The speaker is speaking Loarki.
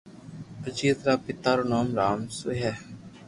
اجيت رآ پيتا رو نوم رامسو ھي